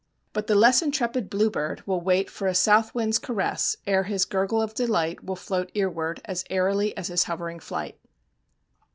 But the less intrepid bluebird will wait for a south wind's caress ere his gurgle of delight will float earward as airily as his hovering flight.